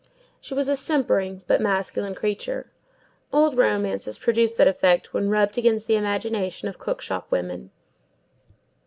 She was a simpering, but masculine creature. Old romances produce that effect when rubbed against the imagination of cook shop woman.